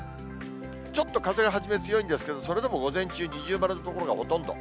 ちょっと風、初めは強いんですけど、それでも午前中、二重丸の所がほとんど。